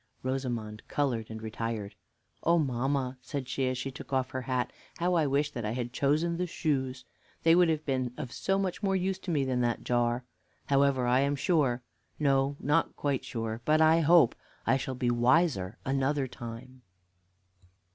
Rosamond colored and retired. "Oh, mamma," said she as she took off her hat, "how I wish that I had chosen the shoes! They would have been of so much more use to me than that jar: however, I am sure, no, not quite sure, but I hope I shall be wiser another time."